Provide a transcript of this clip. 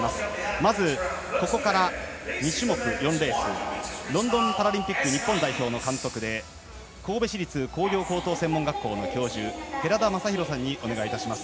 まずここから２種目、４レースロンドンパラリンピック日本代表の監督で神戸市立工業高等専門学校教授寺田雅裕さんにお願いいたします。